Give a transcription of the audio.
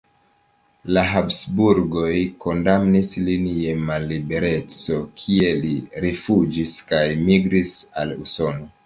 La Habsburgoj kondamnis lin je mallibereco, kie li rifuĝis kaj migris al Usono.